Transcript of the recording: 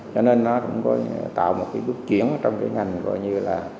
cho nên nó cũng có tạo một cái bước chuyển trong cái ngành gọi như là